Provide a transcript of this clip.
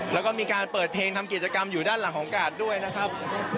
แล้วก็มีการเปิดเพลงทำกิจกรรมอยู่ด้านหลังของกาดด้วยนะครับ